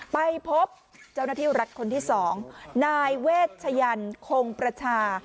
ไปพบเจ้าหน้าที่รัฐคนที่๒นายเวชยันคงประชา